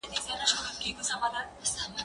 زه هره ورځ د ښوونځی لپاره تياری کوم؟!